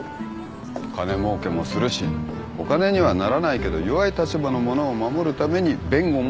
金もうけもするしお金にはならないけど弱い立場の者を守るために弁護もする？